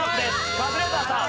カズレーザーさん。